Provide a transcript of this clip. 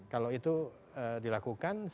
kalau itu dilakukan